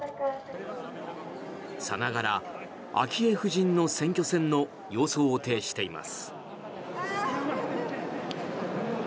さながら、昭恵夫人の選挙戦の様相を呈しています。